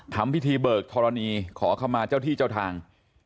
ทำพิธีบริกษณฑรณีขอเข้ามาเจ้าที่เจ้าทาง